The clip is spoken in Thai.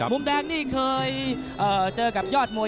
มุมแดงนี่เคยเจอกับยอดมวย